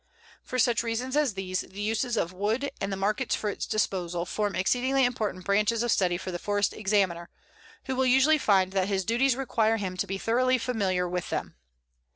For such reasons as these, the uses of wood and the markets for its disposal form exceedingly important branches of study for the Forest Examiner, who will usually find that his duties require him to be thoroughly familiar with them.